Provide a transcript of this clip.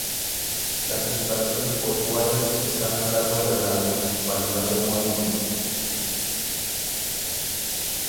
Las instalaciones portuarias están a cargo de la Municipalidad homónima.